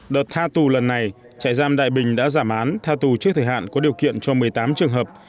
đợt tha tù lần này trại giam đại bình đã giảm án tha tù trước thời hạn có điều kiện cho một mươi tám trường hợp